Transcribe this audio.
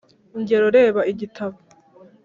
Ingero reba igitabo